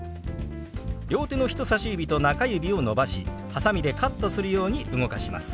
両手の人さし指と中指を伸ばしはさみでカットするように動かします。